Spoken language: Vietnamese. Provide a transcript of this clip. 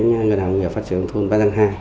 ngân hàng nghệ phát triển thôn bắc giang hai